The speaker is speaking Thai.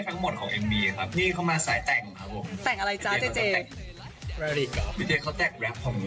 ของเอ็มมีครับนี่เขามาสายแต่งครับผมแต่งอะไรจ๊ะเจ๊เจ๊พี่เจ๊เขาแต่ง